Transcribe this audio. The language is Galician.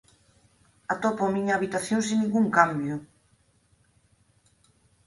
Atopo a miña habitación sen ningún cambio.